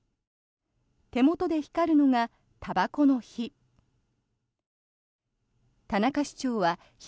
手元で光るのが、たばこの火。